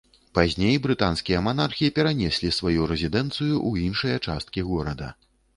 Пазней брытанскія манархі перанеслі сваю рэзідэнцыю ў іншыя часткі горада.